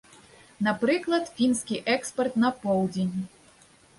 Напрыклад, фінскі экспарт на поўдзень.